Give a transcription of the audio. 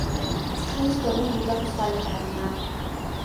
წყლის დონე მუდამ ცვალებადია.